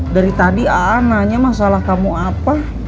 dari tadi ananya masalah kamu apa